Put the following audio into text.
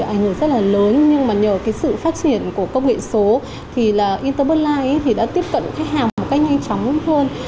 ảnh hưởng rất là lớn nhưng mà nhờ sự phát triển của công nghệ số thì ít tố bất mai đã tiếp cận khách hàng một cách nhanh chóng hơn